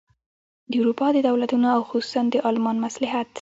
د اروپا د دولتونو او خصوصاً د المان مصلحت.